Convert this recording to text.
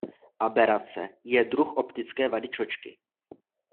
Aberace je druh optické vady čočky.